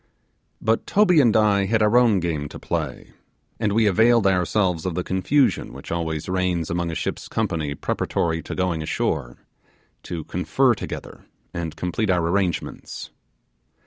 But Toby and I had our own game to play, and we availed ourselves of the confusion which always reigns among a ship's company preparatory to going ashore, to confer together and complete our arrangements.